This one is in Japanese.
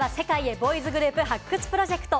ボーイズグループ発掘プロジェクト。